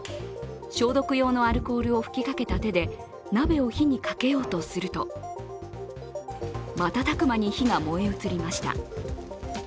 消毒用のアルコールを噴きかけた手で鍋を火にかけようとすると、瞬く間に火が燃え移りました。